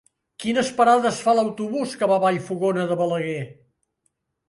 Quines parades fa l'autobús que va a Vallfogona de Balaguer?